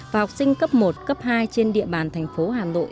và học sinh cấp một cấp hai trên địa bàn thành phố hà nội